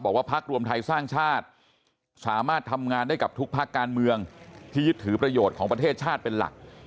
พักรวมไทยสร้างชาติสามารถทำงานได้กับทุกภาคการเมืองที่ยึดถือประโยชน์ของประเทศชาติเป็นหลัก